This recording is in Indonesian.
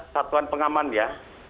satuan pengaman ya